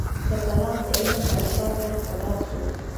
د کلام د علم تالیفات لاس په لاس شول.